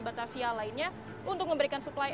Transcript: batavia lainnya untuk memberikan suplai